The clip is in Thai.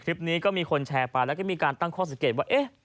คลิปนี้ก็มีคนแชร์ไปแล้วก็มีการตั้งข้อสังเกตว่าเอ๊ะ